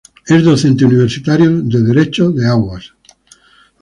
Es docente universitaria de Derecho de Aguas.